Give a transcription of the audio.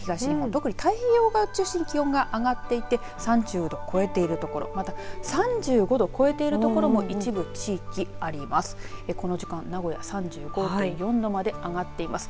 特に太平洋側を中心に気温が上がっていて３０度超えている所また３５度を超えている所も一部地域あります。